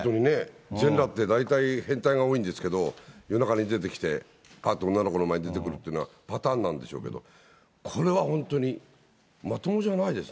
全裸って、大体変態が多いんですけど、夜中に出てきて、ぱーっと女の子の前に出てくるっていうのはパターンなんでしょうけど、これは本当にまともじゃないですね。